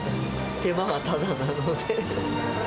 手間はただなので。